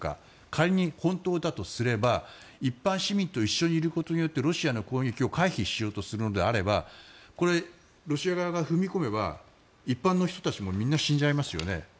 仮に、本当だとすれば一般市民と一緒にいることによってロシアの攻撃を回避しようとするのであればこれ、ロシア側が踏み込めば一般の人たちもみんな死んじゃいますよね。